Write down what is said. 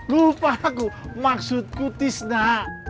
lah lupa aku maksudku tisna